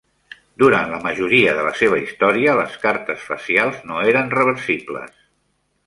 Durant la majoria de la seva història, les cartes facials no eren reversibles.